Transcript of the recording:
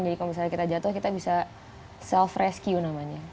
jadi kalau misalnya kita jatuh kita bisa self rescue namanya